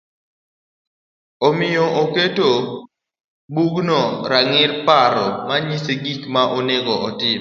Omiyo oketo bugno kagir paro manyise gikma onego otim